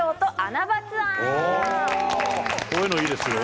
こういうのいいですよ。